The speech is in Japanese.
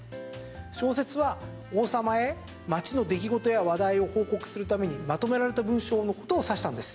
小説は王様に街の出来事や話題を報告するためにまとめられた文章のことを指したんです。